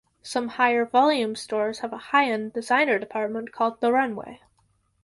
Some higher-volume stores have a high-end designer department called The Runway.